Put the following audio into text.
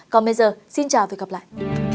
còn bây giờ xin chào và hẹn gặp lại